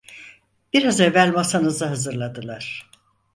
Biraz evvel masanızı hazırladılar.